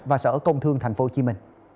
và sở công thương tp hcm